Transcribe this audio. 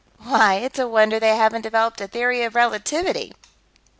"Why, it's a wonder they haven't developed a Theory of Relativity!"